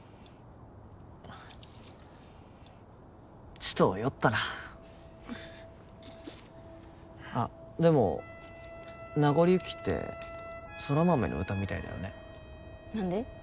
ちと酔ったなあっでも「なごり雪」って空豆の歌みたいだよね何で？